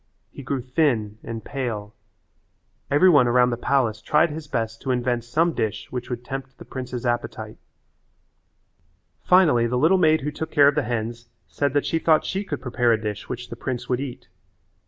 He grew thin and pale. Every one around the palace tried his best to invent some dish which would tempt the prince's appetite. Finally the little maid who took care of the hens said that she thought she could prepare a dish which the prince would eat.